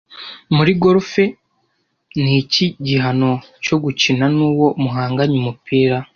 Muri golf niki gihano cyo gukina nuwo muhanganye umupira